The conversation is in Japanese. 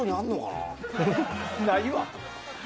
ないわ！